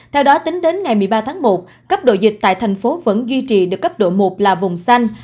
theo đó tính đến ngày một mươi ba tháng một cấp độ dịch tại thành phố vẫn duy trì được cấp độ một là vùng xanh